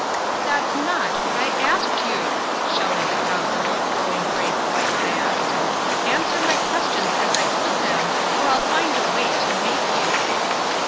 " That's not what I asked you," shouted the consul, growing rave quite fast ;" answer my questions as I put them, or I'll nd a way to make you."